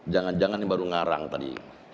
jangan jangan ini baru ngarang tadi